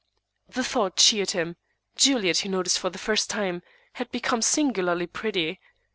The thought cheered him. Juliet, he noticed for the first time, had become singularly pretty.